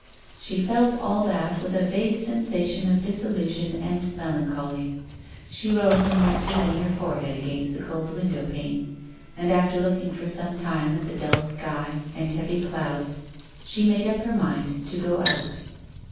She felt all that with a vague sensation of disillusion and melan choly. She rose and went to lean her forehead against the cold window pane, and, after looking for some time at the dull sky and heavy clouds, she made up her mind to go out.